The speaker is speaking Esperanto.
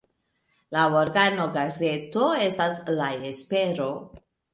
La organo-gazeto estas "La Espero".